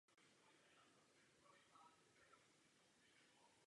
Tu by opět musela sjednat Komise.